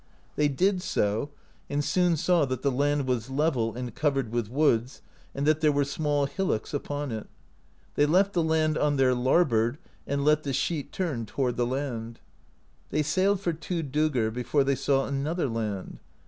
They did so, and soon saw that the land was level, and covered with woods, and that there were small hillocks upon it. They left the land on their larboard, and let the sheet turn toward the land. They sailed for two "doegr" "before they saw another land.